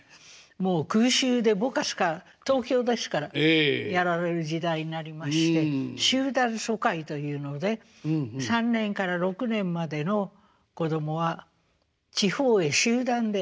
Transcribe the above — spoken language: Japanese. もう空襲でボカスカ東京ですからやられる時代になりまして集団疎開というので３年から６年までの子供は地方へ集団で。